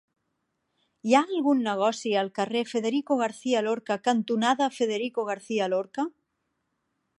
Hi ha algun negoci al carrer Federico García Lorca cantonada Federico García Lorca?